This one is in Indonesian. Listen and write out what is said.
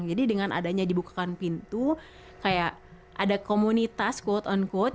jadi dengan adanya dibukakan pintu kayak ada komunitas quote on quote